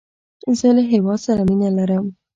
زه له هیواد سره مینه لرم